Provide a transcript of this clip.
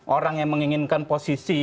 orang yang menginginkan posisi